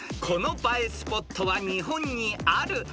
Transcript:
［この映えスポットは日本にある］